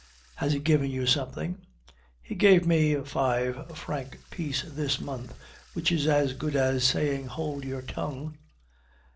"Has he given you something?" "He gave me a five franc piece this month, which is as good as saying, 'Hold your tongue.